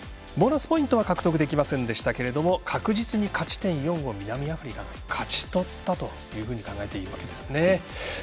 １８対３だったのでボーナスポイントは獲得できませんでしたが確実に勝ち点４を南アフリカが勝ち取ったと考えていいわけですね。